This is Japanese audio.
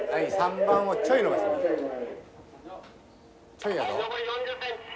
ちょいやぞ。